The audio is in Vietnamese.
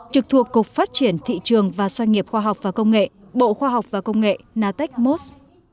trực thuộc cục phát triển thị trường và xoay nghiệp khoa học và công nghệ bộ khoa học và công nghệ natech musk